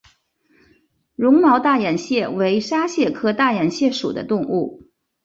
绒毛大眼蟹为沙蟹科大眼蟹属的动物。